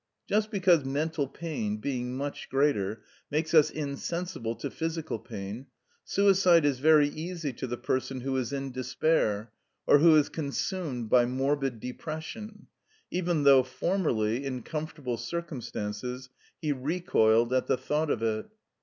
Just because mental pain, being much greater, makes us insensible to physical pain, suicide is very easy to the person who is in despair, or who is consumed by morbid depression, even though formerly, in comfortable circumstances, he recoiled at the thought of it.